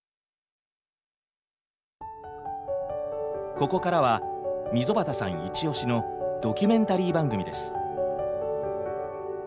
ここからは溝端さんイチオシのドキュメンタリー番組です。